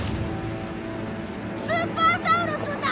スーパーサウルスだ！